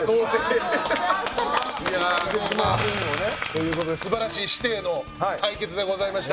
いやぁそうか。ということですばらしい師弟の対決でございました。